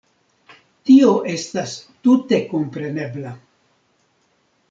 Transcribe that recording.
Tio estas tute komprenebla.